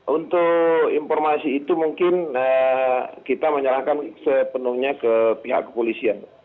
untuk informasi itu mungkin kita menyerahkan sepenuhnya ke pihak kepolisian